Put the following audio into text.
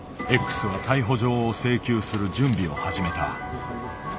Ｘは逮捕状を請求する準備を始めた。